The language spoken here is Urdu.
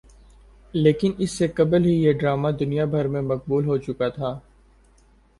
لیکن اس سے قبل ہی یہ ڈرامہ دنیا بھر میں مقبول ہوچکا تھا